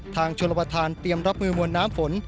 ทางชลวทานเตรียมรับมือมวลน้ำฝน